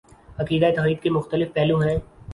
عقیدہ توحید کے مختلف پہلو ہیں